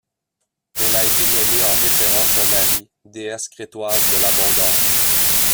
Elle a été nommée en référence à Mari, déesse crétoise de l'abondance.